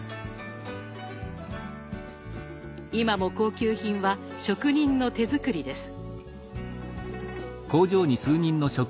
今も高級品は職人の手作りです。